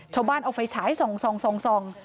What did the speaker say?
ชาวบ้านเอาไฟฉายส่อง